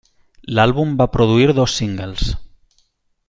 L'àlbum va produir dos singles.